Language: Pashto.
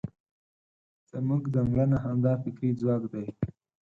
زموږ ځانګړنه همدا فکري ځواک دی.